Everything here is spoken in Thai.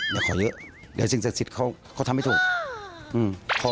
เดี๋ยวขอเยอะเดี๋ยวสิ่งศักดิ์สิทธิ์เขาทำให้ถูก